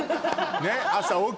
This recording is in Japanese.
ねっ。